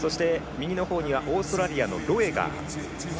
右のほうにはオーストラリアのロエガー。